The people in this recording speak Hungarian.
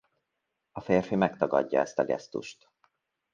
A férfi megtagadja ezt a gesztust.